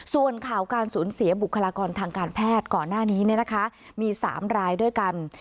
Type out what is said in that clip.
ส่วนข่าวการสูญเสียบุคลากรทางการแพทย์ก่อนหน้านี้มี๓รายด้วยกัน